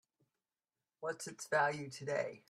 What's its value today?